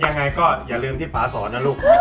ยังไงก็อย่าลืมที่ป่าสอนนะลูก